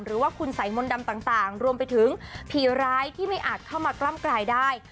หรือว่าคุณสัยมนต์ดำต่างรวมไปถึงผีร้ายที่ไม่อาจเข้ามากล้ำกลายได้